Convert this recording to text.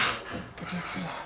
ドキドキするな。